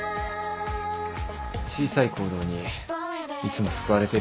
小さい行動にいつも救われてるよ。